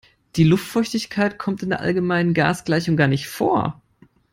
Die Luftfeuchtigkeit kommt in der allgemeinen Gasgleichung gar nicht vor.